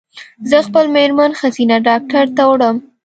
زه خپل مېرمن ښځېنه ډاکټري ته وړم